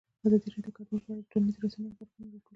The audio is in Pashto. ازادي راډیو د کډوال په اړه د ټولنیزو رسنیو غبرګونونه راټول کړي.